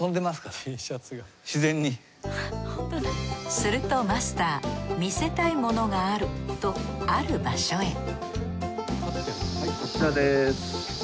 するとマスター見せたいものがあるとある場所へはいこちらです。